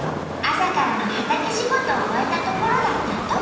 朝からの畑仕事を終えたところだったんと！